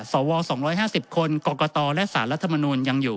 สว๒๕๐คนกรกตและสารรัฐมนูลยังอยู่